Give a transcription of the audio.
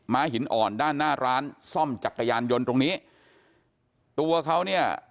ม้าหินอ่อนด้านหน้าร้านทร่วมจักรยานยนต์ตรงนี้